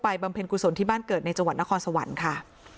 บำเพ็ญกุศลที่บ้านเกิดในจังหวัดนครสวรรค์ค่ะ